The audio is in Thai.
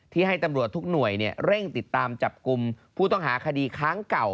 ให้ตำรวจทุกหน่วยเร่งติดตามจับกลุ่มผู้ต้องหาคดีค้างเก่า